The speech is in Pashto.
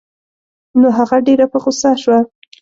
نو هغه ډېره په غوسه شوه.